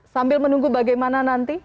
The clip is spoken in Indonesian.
sambil menunggu bagaimana nanti